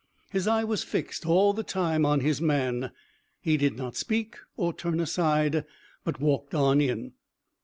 His eye was fixed all the time on his man. He did not speak or turn aside, but walked on in.